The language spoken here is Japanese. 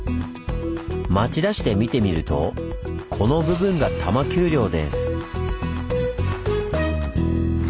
町田市で見てみるとこの部分が多摩丘陵です。